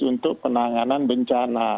untuk penanganan bencana